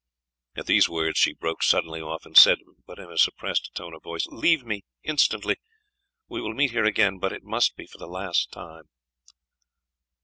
At these words she broke suddenly off, and said, but in a suppressed tone of voice, "Leave me instantly we will meet here again, but it must be for the last time."